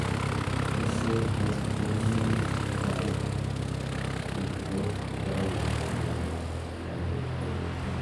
Hussey has played live with both Gary Numan and The Cure.